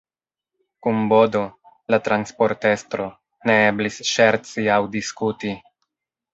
Kun Bodo, la transportestro, ne eblis ŝerci aŭ diskuti.